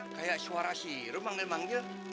kayak suara sirum manggil manggil